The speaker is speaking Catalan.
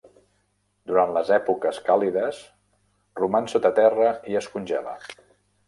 Durant les èpoques càlides roman sota terra i es congela.